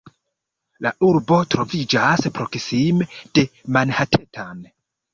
La urbo troviĝas proksime de Manhattan.